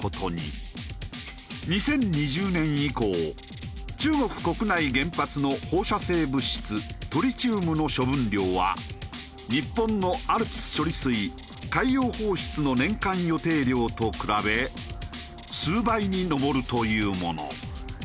２０２０年以降中国国内原発の放射性物質トリチウムの処分量は日本のＡＬＰＳ処理水海洋放出の年間予定量と比べ数倍に上るというもの。